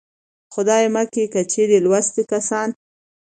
خدايه مکې که چېرې لوستي کسان